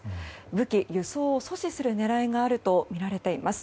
武器輸送を阻止する狙いがあるとみられています。